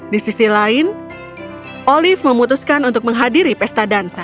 di sisi lain olive memutuskan untuk menghadiri pesta dansa